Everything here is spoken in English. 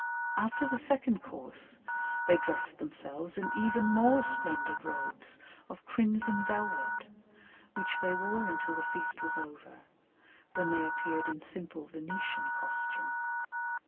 After the second course they dressed themselves in even more splendid robes of crimson velvet, which they wore until the feast was over, when they appeared in simple Venetian costume.